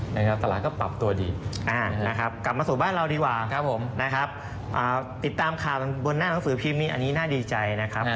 อย่างนั้นตลาดก็ปรับตัวดี